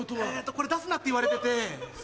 これ出すなって言われてて。